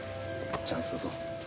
チャンスだぞ。